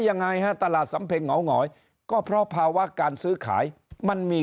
ยังไงฮะตลาดสำเพ็งเหงาหงอยก็เพราะภาวะการซื้อขายมันมี